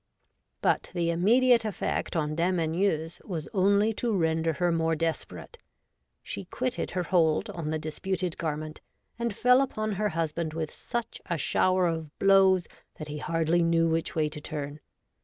' But the immediate effect on Dame Anieuse was only to render her more desperate. She quitted her hold on the disputed garment, and fell upon her husband with such a shower of blows that he DOMESTIC STRIFE. 117 hardly knew which way to turn.